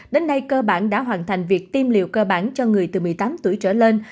đến nay cơ bản đã hoàn thành việc tiêm liều cơ bản cho người từ một mươi tám tuổi trở lên